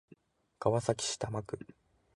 川崎市多摩区